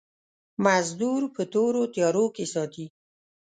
مزدور په تورو تيارو کې ساتي.